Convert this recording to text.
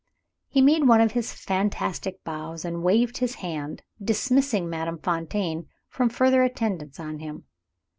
He made one of his fantastic bows, and waved his hand, dismissing Madame Fontaine from further attendance on him.